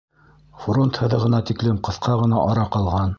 Фронт һыҙығына тиклем ҡыҫҡа ғына ара ҡалған.